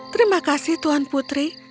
terima kasih tuhan putri